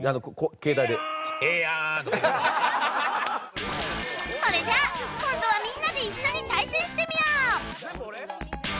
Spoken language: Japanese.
携帯で「ええやん！」とか。それじゃあ今度はみんなで一緒に対戦してみよう